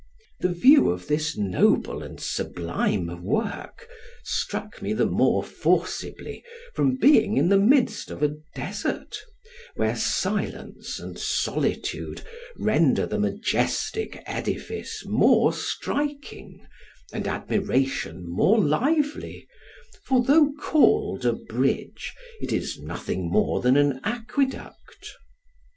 The view of this noble and sublime work, struck me the more forcibly, from being in the midst of a desert, where silence and solitude render the majestic edifice more striking, and admiration more lively, for though called a bridge it is nothing more than an aqueduct.